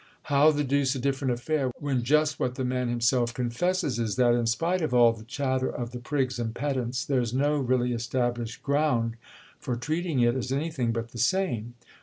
"How the deuce a different affair when just what the man himself confesses is that, in spite of all the chatter of the prigs and pedants, there's no really established ground for treating it as anything but the same?"